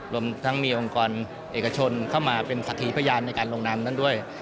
รวมทั้งมีองค์กรเอกชนเข้ามาเป็นสักทีพยานในการลงนามนั้นด้วย